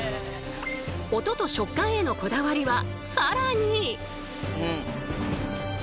音と食感へのこだわりは更に！